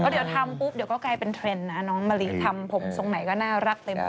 เดี๋ยวก็กลายเป็นเทรนด์น้องมะลิทำผงทรงไหนก็น่ารักเต็ม